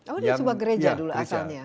oh ini sebuah gereja dulu asalnya